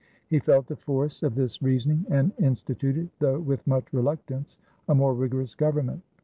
He felt the force of this reasoning, and in stituted, though with much reluctance, a more rigorous government.